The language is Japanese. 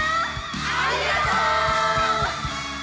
ありがとう！